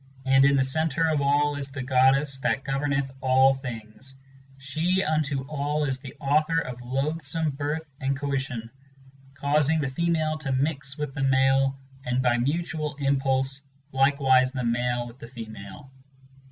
And in the centre of all is the Goddess that governeth all things : She unto all is the author of loathsome birth and coition, Causing the female to mix with the male, and by mutual impulse Likewise the male with the female.